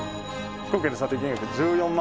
「今回の査定金額、１４万」